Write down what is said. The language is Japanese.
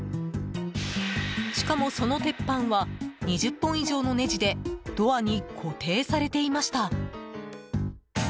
しかも、その鉄板は２０本以上のネジでドアに固定されていました。